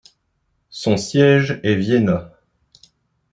Son siège est Vienna.